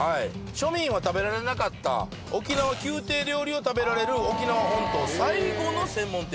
庶民は食べられなかった沖縄宮廷料理を食べられる沖縄本島最後の専門店。